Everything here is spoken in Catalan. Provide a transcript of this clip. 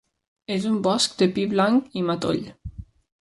És un bosc de pi blanc i matoll.